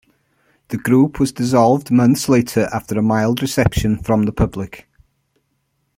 The group was dissolved months later after a mild reception from the public.